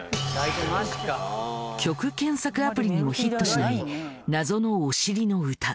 曲検索アプリにもヒットしない謎のお尻の歌。